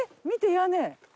屋根。